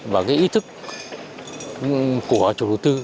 và cái ý thức của chủ đầu tư